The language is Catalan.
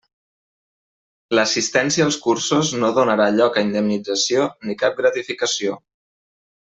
L'assistència als cursos no donarà lloc a indemnització ni cap gratificació.